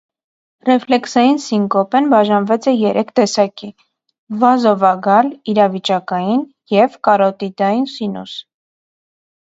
Ռեֆլեքսային սինկոպեն բաժանված է երեք տեսակի՝ վազովագալ, իրավիճակային և կարոտիդային սինուս։